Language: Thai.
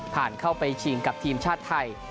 ผ่านเข้าไปชิงกับทีมชาติไทย